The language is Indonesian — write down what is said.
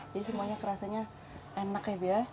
jadi semuanya rasanya enak ya bu ya